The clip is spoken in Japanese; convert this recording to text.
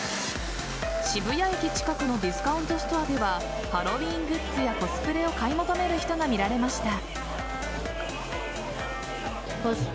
渋谷駅近くのディスカウントストアではハロウィーングッズやコスプレを買い求める人が見られました。